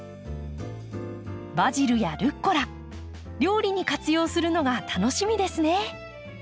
バジルやルッコラ料理に活用するのが楽しみですね。